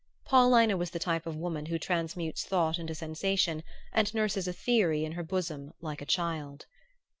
Paulina was the type of woman who transmutes thought into sensation and nurses a theory in her bosom like a child.